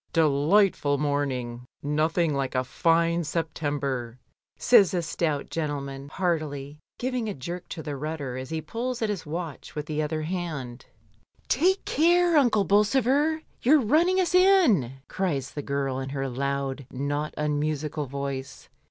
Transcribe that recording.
"Delightful morning, nothing like a fine Sep tember," says the stout gentleman, heartily, giving a jerk to the rudder as he pulls at his watch with the other hand. Mrs. Dymond, /. II 1 62 MRS. DYMOND. "Take care, Uncle Bolsover, you're running us in," cries the girl, in her loud, not unmusical voice.